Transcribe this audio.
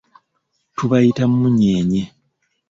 Tubayita munyenye.